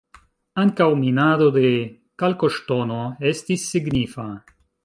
Ankaŭ minado de kalkoŝtono estis signifa.